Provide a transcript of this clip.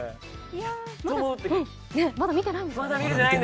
まだ見れていないんですよ。